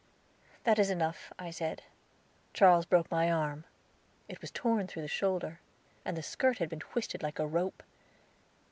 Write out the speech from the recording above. "That is enough," I said, "Charles broke my arm." It was torn through the shoulder, and the skirt had been twisted like a rope.